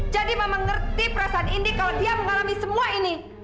jadi mama ngerti perasaan indi kalau dia mengalami semua ini